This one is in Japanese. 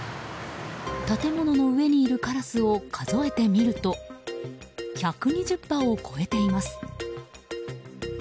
建物の上にいるカラスを数えてみると１２０羽を超えています。